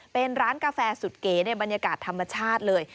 เป็นร้านกาแฟสุดเก๋ในบรรยากาศธรรมชาติเลย